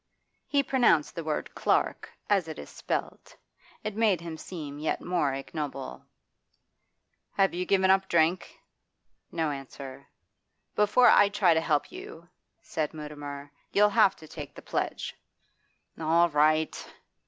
He pronounced the word 'clerk' as it is spelt; it made him seem yet more ignoble. 'Have you given up drink?' No answer 'Before I try to help you,' said Mutimer, 'you'll have to take the pledge.' 'All right!